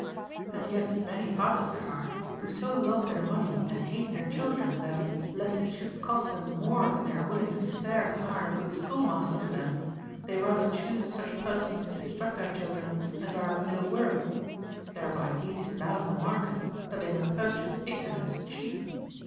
And yet many fathers there are, who so love their money and hate their children, that, lest it should cost them more than they are willing to spare to hire a good schoolmaster for them, they rather choose such per sons to instruct their children as are of no worth ; thereby beating down the market, that they may purchase ignorance cheap.